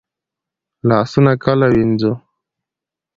لاسونه کله ووینځو؟